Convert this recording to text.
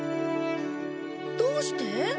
どうして？